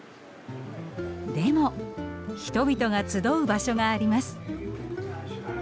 でも人々が集う場所があります。